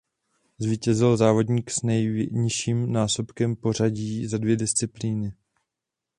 Zvítězil závodník s nejnižším násobkem pořadí za dvě disciplíny.